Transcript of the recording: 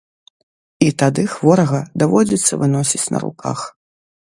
І тады хворага даводзіцца выносіць на руках.